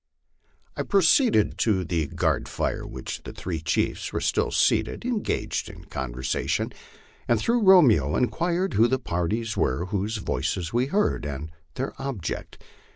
I proceeded to the guard fire near which the three chiefs were still seated engaged in conver sation, and through Romeo inquired who the parties were whose voices we heard, and their object.